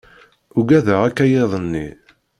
Uggadeɣ akayad-nni.